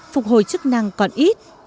phục hồi chức năng còn ít